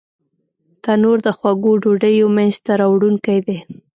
تنور د خوږو ډوډیو مینځ ته راوړونکی دی